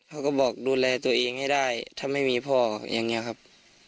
เขาก็บอกดูแลตัวเองให้ได้ถ้าไม่มีพ่ออย่างนี้ครับ